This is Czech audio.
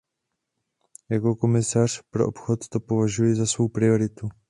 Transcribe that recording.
Jako komisař pro obchod to považuji za svou prioritu.